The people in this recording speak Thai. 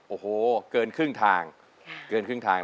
โอ้โหเกินครึ่งทาง